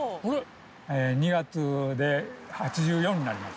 ２月で８４になります。